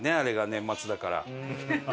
年末だから。